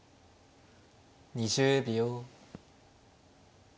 ２０秒。